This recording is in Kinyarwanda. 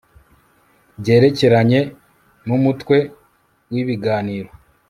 Byerekeranye numutwe wibiganiro